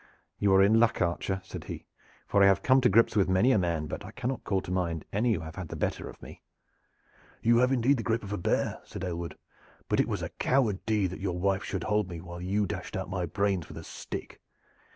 "You are in luck, archer," said he, "for I have come to grips with many a man, but I cannot call to mind any who have had the better of me." "You have indeed the grip of a bear," said Aylward; "but it was a coward deed that your wife should hold me while you dashed out my brains with a stick.